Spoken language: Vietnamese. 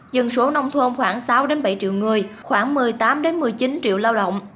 dân số nông thôn khoảng sáu bảy triệu người khoảng một mươi tám một mươi chín triệu lao động